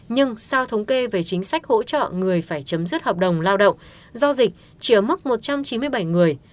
nhưng sau thống kê về chính sách hỗ trợ người phải chấm dứt hợp đồng lao động do dịch chỉ ở mức một trăm chín mươi bảy người